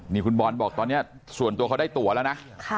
นี่คุณบอลบอกตอนนี้ส่วนตัวเขาได้ตัวแล้วนะ